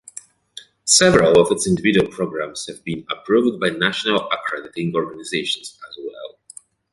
Several of its individual programs have been approved by national accrediting organizations as well.